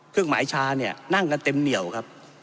เครื่องหมายชาเนี่ยนั่งกันเต็มเหนียวครับ